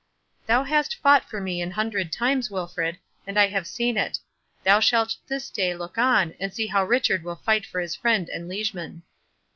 "Thou hast fought for me an hundred times, Wilfred,—and I have seen it. Thou shalt this day look on, and see how Richard will fight for his friend and liegeman."